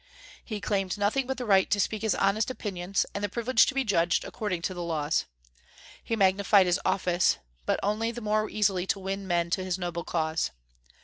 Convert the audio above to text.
He claimed nothing but the right to speak his honest opinions, and the privilege to be judged according to the laws. He magnified his office, but only the more easily to win men to his noble cause.